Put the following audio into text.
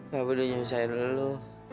babi udah nyusahin dulu